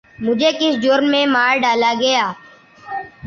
مجھے کس جرم میں مار ڈالا گیا؟